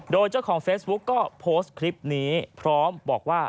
โดยเจ้าของเฟซบุ๊กก็โพสต์คลิปนี้พร้อมบอกว่า